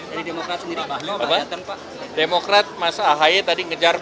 pak mardono dari demokrat sendiri